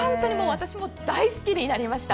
私も大好きになりました。